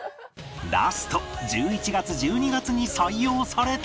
ラスト１１月１２月に採用されたのは